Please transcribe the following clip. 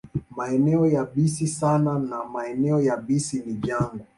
Maeneo yabisi sana na maeneo yabisi ni jangwa.